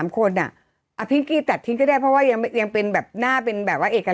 กินสองคนอ่ะอรรภิกตาทิ้งก็ได้เพราะว่ายังเป็นแบบน่าเป็นแบบว่าเอกล้า